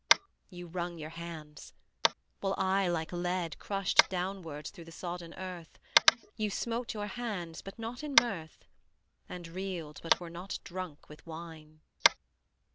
You wrung your hands; while I like lead Crushed downwards through the sodden earth: You smote your hands but not in mirth, And reeled but were not drunk with wine.